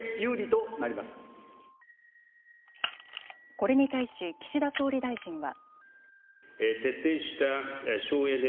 これに対し岸田総理大臣は。